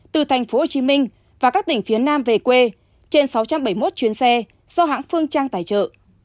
từ tp hcm và các tỉnh phía nam về quê trên sáu trăm bảy mươi một chuyến xe do hãng phương trang tài trợ